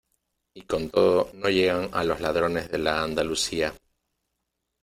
y con todo no llegan a los ladrones de la Andalucía.